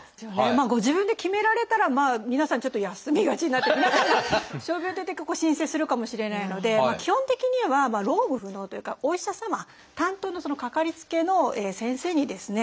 ご自分で決められたら皆さんちょっと休みがちになって皆さんが傷病手当結構申請するかもしれないので基本的には労務不能というかお医者様担当のかかりつけの先生にですね